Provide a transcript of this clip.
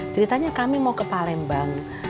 ceritanya kami mau ke palembang